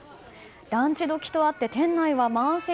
ランチ時とあって店内は満席。